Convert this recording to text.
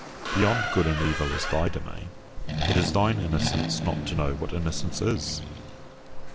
Beyond good and evil is thy domain. It is thine innocence not to know what innocence is.